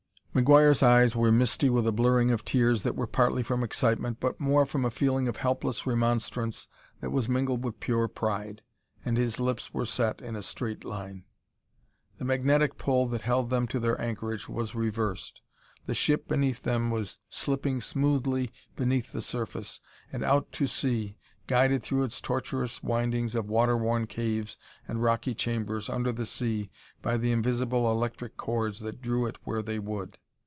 McGuire's eyes were misty with a blurring of tears that were partly from excitement, but more from a feeling of helpless remonstrance that was mingled with pure pride. And his lips were set in a straight line. The magnetic pull that held them to their anchorage was reversed; the ship beneath them was slipping smoothly beneath the surface and out to sea, guided through its tortuous windings of water worn caves and rocky chambers under the sea by the invisible electric cords that drew it where they would.